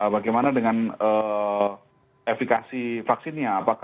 bagaimana dengan efikasi vaksinnya